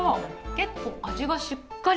結構、味がしっかり。